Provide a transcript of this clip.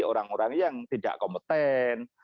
orang orang yang tidak kompeten